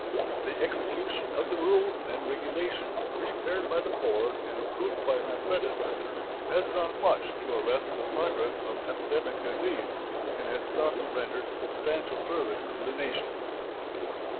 The execution of the rules and regulations prepared by the board and approved by my predecessor has done much to arrest the progress of epidemic disease, and has thus rendered substantial service to the nation.